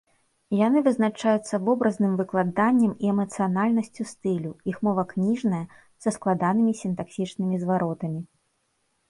Яны вызначаюцца вобразным выкладаннем і эмацыянальнасцю стылю, іх мова кніжная, са складанымі сінтаксічнымі зваротамі.